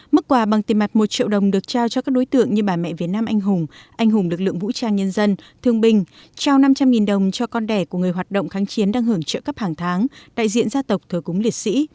mức quà bằng tiền mặt một triệu đồng được trao cho các đối tượng như bà mẹ việt nam anh hùng anh hùng lực lượng vũ trang nhân dân thương binh trao năm trăm linh đồng cho con đẻ của người hoạt động kháng chiến đang hưởng trợ cấp hàng tháng đại diện gia tộc thờ cúng liệt sĩ